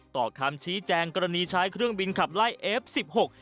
ต่อคำชี้แจงกรณีใช้เครื่องบินขับไล่เอฟสิบหก